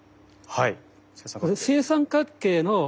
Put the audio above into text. はい。